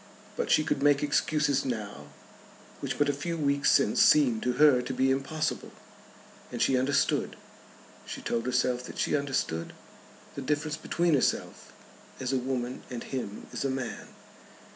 But she could make excuses now, which but a few weeks since seemed to her to be impossible. And she understood, she told herself that she understood, the difference between herself as a woman and him as a man.